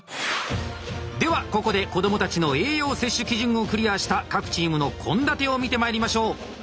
ではここで子どもたちの栄養摂取基準をクリアした各チームの献立を見てまいりましょう。